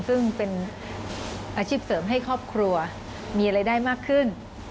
ซึ่งเป็นอาชีพเสริมให้ครอบครัวมีรายได้มากขึ้น